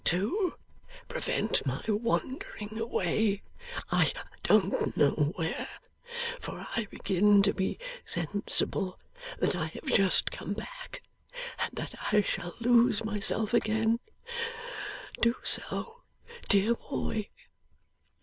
'To prevent my wandering away I don't know where for I begin to be sensible that I have just come back, and that I shall lose myself again do so, dear boy!